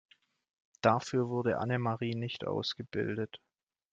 Dafür wurde Annemarie nicht ausgebildet.